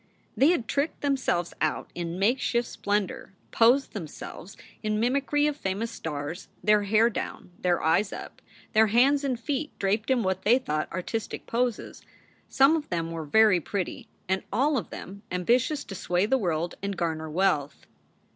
They had tricked themselves out in makeshift splendor, posed themselves in mimicry of famous stars, their hair down, their eyes up, their hands and feet draped in what they thought artistic poses. Some of them were very pretty and all of them ambitious to sway the world ^and garner wealth.